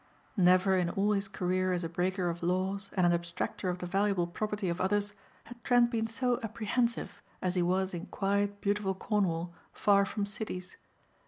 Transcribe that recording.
Never in all his career as a breaker of laws and an abstractor of the valuable property of others had Trent been so apprehensive as he was in quiet, beautiful Cornwall far from cities.